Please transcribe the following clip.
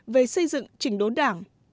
về xây dựng trình đốn đảng